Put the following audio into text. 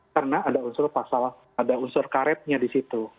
karena ada unsur pasal ada unsur karetnya di situ